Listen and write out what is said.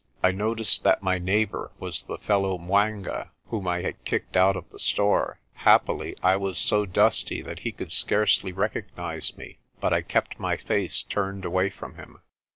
I noticed that my neighbour was the fellow 'Mwanga whom I had kicked out of the store. Happily I was so dusty that he could scarcely recognise me, but I kept I GO TREASURE HUNTING 133 my face turned away from him.